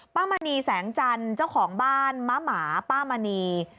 มณีแสงจันทร์เจ้าของบ้านม้าหมาป้ามณี